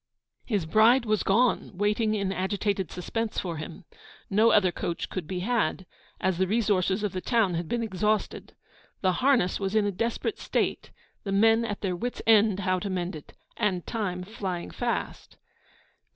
His bride was gone, waiting in agitated suspense for him. No other coach could be had, as the resources of the town had been exhausted. The harness was in a desperate state, the men at their wit's end how to mend it, and time flying fast.